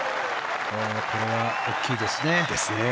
これは大きいですね。